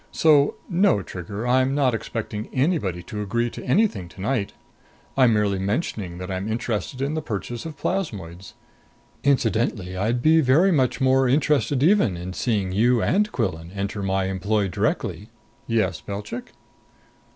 So, no, Trigger, I'm not expecting anybody to agree to anything tonight. I'm merely mentioning that I'm interested in the purchase of plasmoids. Incidentally, I'd be very much more interested even in seeing you, and Quillan, enter my employ directly. Yes, Belchik?"